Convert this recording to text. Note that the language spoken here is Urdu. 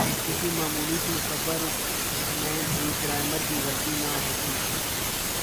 کسی معمولی سی خبر میں بھی گرائمر کی غلطی نہ ہوتی۔